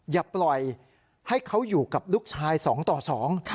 อย่าปล่อยให้เขาอยู่กับลูกชายสองต่อสอง